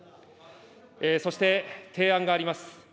そして提案があります。